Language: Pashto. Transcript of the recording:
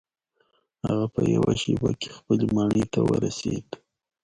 هغه په یوه شیبه کې خپلې ماڼۍ ته ورسید.